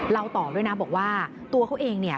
เราต่อด้วยนะบอกว่าตัวเขาเองเนี่ย